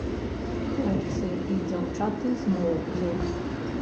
Хлопцы і дзяўчаты змоўклі.